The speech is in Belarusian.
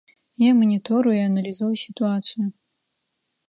Я манітору і аналізую сітуацыю.